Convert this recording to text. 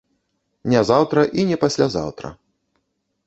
Не заўтра і не паслязаўтра.